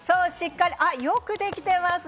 よくできてます。